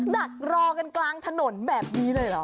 ดักรอกันกลางถนนแบบนี้เลยเหรอ